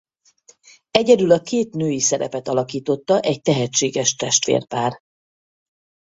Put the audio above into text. Egyedül a két női szerepet alakította egy tehetséges testvérpár.